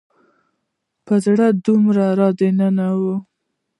په زړه دومره رالنډ و.